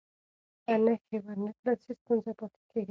که نښې ور نه کړل سي، ستونزه پاتې کېږي.